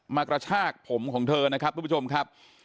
กระชากผมของเธอนะครับทุกผู้ชมครับ